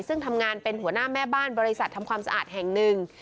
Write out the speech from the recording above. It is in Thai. ซึ่งทำงานเป็นหัวหน้าแม่บ้านบริษัททำความสะอาดแห่งหนึ่ง